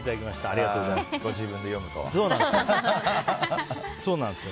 ありがとうございます。